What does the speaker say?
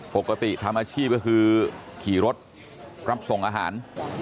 ปกติทำอาชีพก็คือขี่รถรับส่งอาหาร